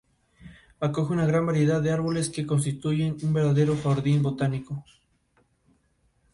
Kerr hasta este momento, nunca había tocado en un show en vivo.